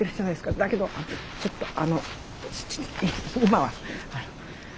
だけどちょっとあの今は。